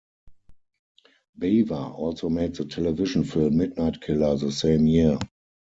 Bava also made the television film "Midnight Killer" the same year.